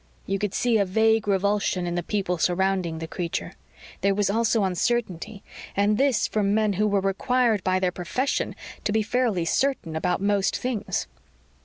You could see a vague revulsion in the people surrounding the creature. There was also uncertainty, and this from men who were required by their profession to be fairly certain about most things.